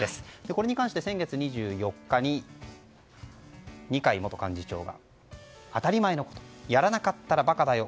これに関して先月２４日に二階元幹事長が当たり前のことやらなかったら馬鹿だよ。